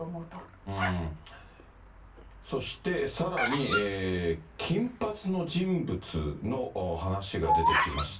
そしてさらに、金髪の人物の話が出てきました。